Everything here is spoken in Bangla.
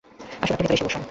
আসুন, আপনি ভেতরে এসে বসুন।